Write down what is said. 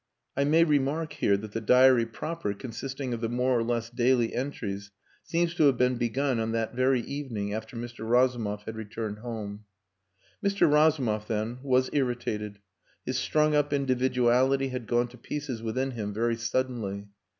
I may remark here that the diary proper consisting of the more or less daily entries seems to have been begun on that very evening after Mr. Razumov had returned home. Mr. Razumov, then, was irritated. His strung up individuality had gone to pieces within him very suddenly.